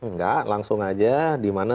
nggak langsung aja dimana